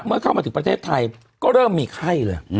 เมื่อเข้ามาถึงประเทศไทยก็เริ่มมีไข้เลย